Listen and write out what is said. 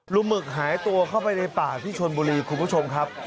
หมึกหายตัวเข้าไปในป่าที่ชนบุรีคุณผู้ชมครับ